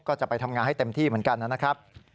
ก็จะไปทำงานให้เต็มที่เหมือนกันนะครับ